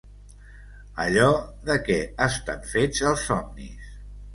Allò de que estan fets els somnis